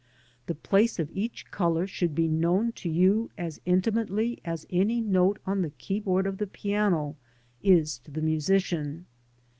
The place of each colour should be known to you as intimately as any note on the keyboard of the piano is to the musician.